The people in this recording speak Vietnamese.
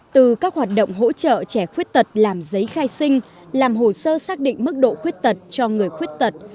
từ các hoạt động hỗ trợ trẻ khuyết tật làm giấy khai sinh làm hồ sơ xác định mức độ khuyết tật cho người khuyết tật